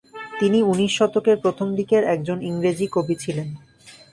তিনি উনিশ শতকের প্রথম দিকের একজন ইংরেজি কবি ছিলেন।